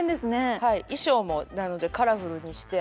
はい衣装もなのでカラフルにして。